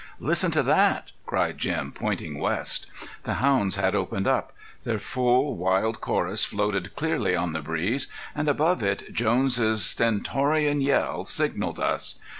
"Listen to that!" cried Jim, pointing west. The hounds had opened up; their full, wild chorus floated clearly on the breeze, and above it Jones' stentorian yell signaled us.